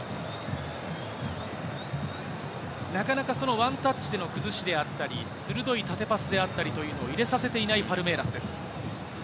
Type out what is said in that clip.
なかなかワンタッチでの崩しであったり、鋭い縦パスであったりというのを入れさせていないパルメイラスです。